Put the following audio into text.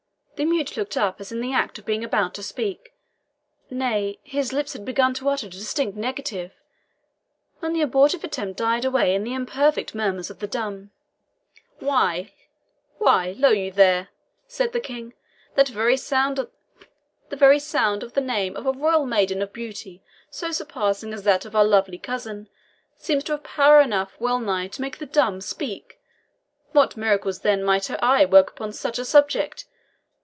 The mute looked up as in the act of being about to speak nay, his lips had begun to utter a distinct negative when the abortive attempt died away in the imperfect murmurs of the dumb. "Why, lo you there!" said the King, "the very sound of the name of a royal maiden of beauty so surpassing as that of our lovely cousin seems to have power enough well nigh to make the dumb speak. What miracles then might her eye work upon such a subject!